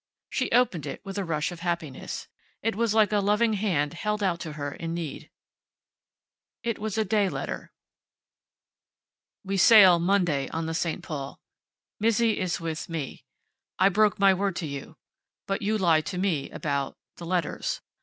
She opened it with a rush of happiness. It was like a loving hand held out to her in need. It was a day letter. "We sail Monday on the St. Paul. Mizzi is with me. I broke my word to you. But you lied to me about the letters.